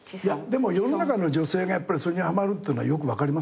でも世の中の女性がやっぱりそれにはまるっていうのはよく分かります。